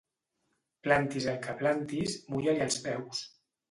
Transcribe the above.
Plantis el que plantis, mulla-li els peus.